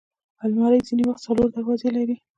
الماري ځینې وخت څلور دروازې لري